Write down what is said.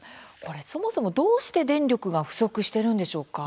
そもそもどうして電力が不足してるんでしょうか。